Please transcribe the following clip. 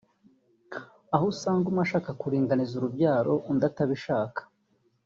aho usanga umwe ashaka kuringaniza urubyaro undi atabishaka